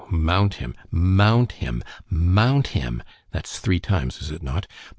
mount him—mount him—mount him—(that's three times, is it not?)